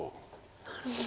なるほど。